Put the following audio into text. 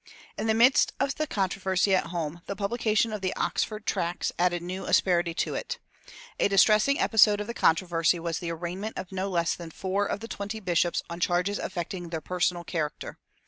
In the midst of the controversy at home the publication of the Oxford Tracts added new asperity to it. A distressing episode of the controversy was the arraignment of no less than four of the twenty bishops on charges affecting their personal character.